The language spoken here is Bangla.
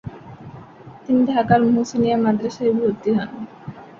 তিনি ঢাকার মুহসিনিয়া মাদ্রাসায় ভর্তি হন।